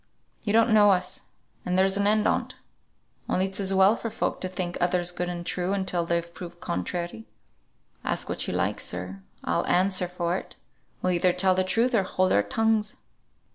You don't know us, and there's an end on't; only it's as well for folk to think others good and true until they're proved contrary. Ask what you like, sir, I'll answer for it we'll either tell truth or hold our tongues."